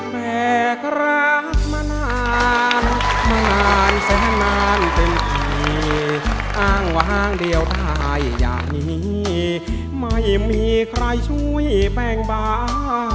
แบกรักมานานมานานแสนนานเต็มทีอ้างวางเดียวได้อย่างนี้ไม่มีใครช่วยแป้งบา